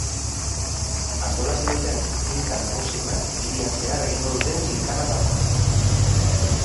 Antolatu duten ekintza nagusiena hirian zehar egingo duten gynkana bat da.